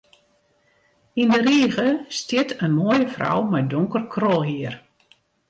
Yn de rige stiet in moaie frou mei donker krolhier.